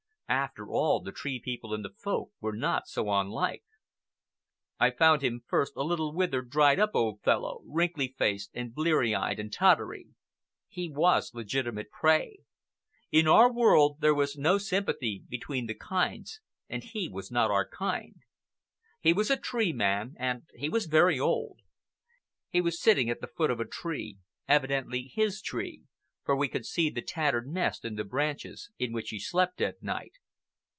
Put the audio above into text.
After all, the Tree People and the Folk were not so unlike. I found him first, a little withered, dried up old fellow, wrinkled faced and bleary eyed and tottery. He was legitimate prey. In our world there was no sympathy between the kinds, and he was not our kind. He was a Tree Man, and he was very old. He was sitting at the foot of a tree—evidently his tree, for we could see the tattered nest in the branches, in which he slept at night.